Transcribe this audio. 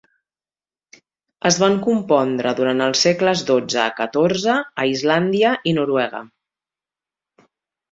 Es van compondre durant els segles XII a XIV a Islàndia i Noruega.